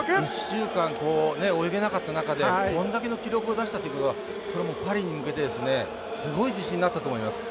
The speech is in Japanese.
１週間泳げなかった中でこんだけの記録を出したっていうことがこれもうパリに向けてすごい自信になったと思います。